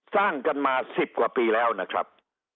สร้างกันมา๑๐กว่าปีแล้วนะครับ